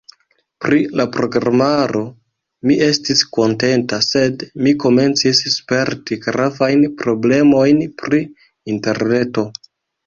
Pri la programaro mi estis kontenta, sed mi komencis sperti gravajn problemojn pri Interreto.